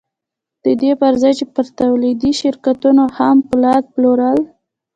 د دې پر ځای یې پر تولیدي شرکتونو خام پولاد پلورل